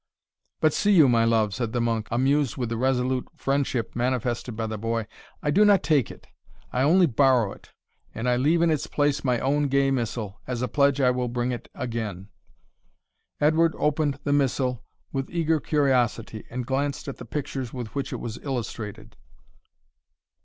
"But see you, my love," said the monk, amused with the resolute friendship manifested by the boy, "I do not take it; I only borrow it; and I leave in its place my own gay missal, as a pledge I will bring it again." Edward opened the missal with eager curiosity, and glanced at the pictures with which it was illustrated.